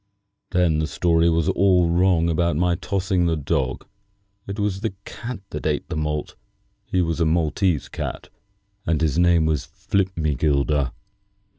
Then the story was all wrong about my tossing the dog. It was the cat that ate the malt. He was a Maltese cat, and his name was Flipmegilder."